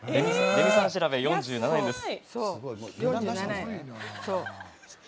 レミさん調べ、４７円です。